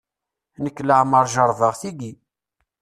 Nekk leɛmer jerbeɣ tigi.